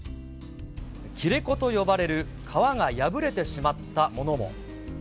切れ子と呼ばれる皮が破れてしまったものも。